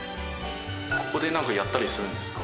ここでなんかやったりするんですか？